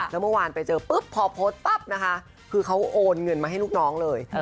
แล้วเมื่อวานไปเจอปุ๊บพอโพสต์ปั๊บนะคะคือเขาโอนเงินมาให้ลูกน้องเลย